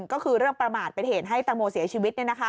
ก็คือเรื่องประมาทเป็นเหตุให้แตงโมเสียชีวิต